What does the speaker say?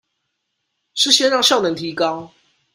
是先讓效能提高